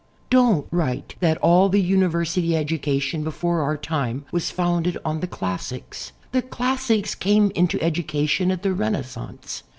Don't write that all the university education before our time was founded on the classics. The classics came into education at the Renaissance.